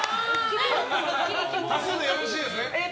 足すでよろしいですね？